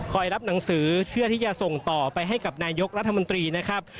รับหนังสือเพื่อที่จะส่งต่อไปให้กับนายกรัฐมนตรีนะครับ